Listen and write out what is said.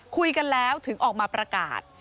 คุยกันแล้วถึงออกมาประกาศ